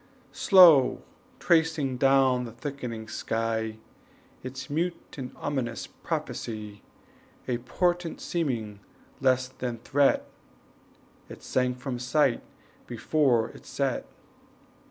Slow tracing down the thickening sky Its mute and ominous prophecy, A portent seeming less than threat, It sank from sight before it set.